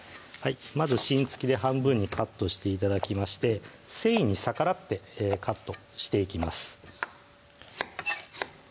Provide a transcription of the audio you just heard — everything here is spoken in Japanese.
まず芯付きで半分にカットして頂きまして繊維に逆らってカットしていきます